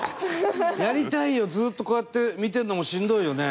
ずっとこうやって見てるのもしんどいよね。